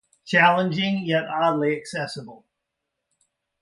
Challenging yet oddly accessible.